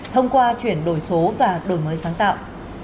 thông qua chuyển đổi số và đổi mới sáng tạo